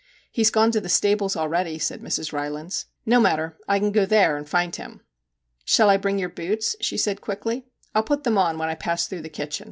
'He's gone to the stables already,' said Mrs. Rylands. ' No matter I can go there and find him.' 'Shall I bring your boots?' she said quickly. ' I '11 put them on when I pass through the kitchen.